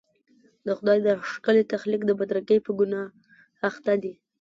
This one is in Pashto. د خدای د ښکلي تخلیق د بدرنګۍ په ګناه اخته دي.